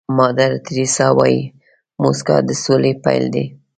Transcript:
مادر تیریسا وایي موسکا د سولې پيل دی.